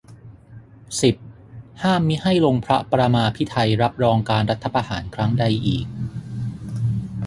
สิบ ห้ามมิให้ลงพระปรมาภิไธยรับรองการรัฐประหารครั้งใดอีก